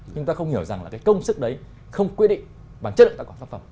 chúng ta không hiểu rằng là cái công sức đấy không quyết định bằng chất lượng đã có pháp phẩm